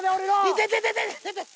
痛てててて。